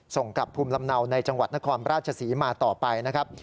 ส่งกลับภูมิลำเนาในจังหวัดนครราชศรีมาต่อไปนะครับ